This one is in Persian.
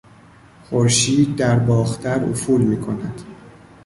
خورشید در باختر افول میکند.